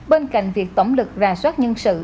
bên cạnh việc tổng lực ra soát nhân sự